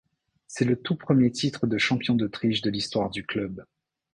C'est le tout premier titre de champion d'Autriche de l'histoire du club.